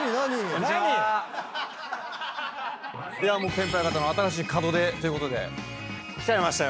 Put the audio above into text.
先輩方の新しい門出ということで来ちゃいましたよ。